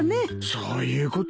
そういうことか。